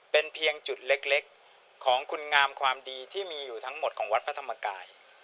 เป็นเพียงจุดเล็กของคุณงามความดีที่มีอยู่ทั้งหมดของวัดพระธรรมกาย